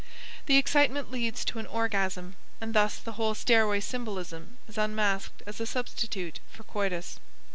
The excitement leads to an orgasm, and thus the whole stairway symbolism is unmasked as a substitute for coitus.